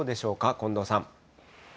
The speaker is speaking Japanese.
近藤さん。